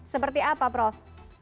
seperti apa prof